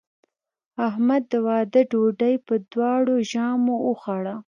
احمد د واده ډوډۍ په دواړو ژامو وخوړه.